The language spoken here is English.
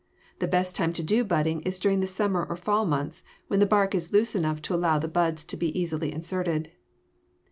The best time to do budding is during the summer or fall months, when the bark is loose enough to allow the buds to be easily inserted.